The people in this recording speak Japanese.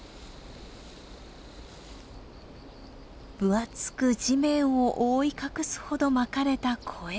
分厚く地面を覆い隠すほどまかれたコエ。